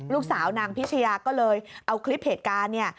ลูกสาวนางพิชยาก็เลยเอาคลิปเหตุการณ์เนี่ย